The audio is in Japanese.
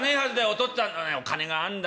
お父っつぁんお金があんだ。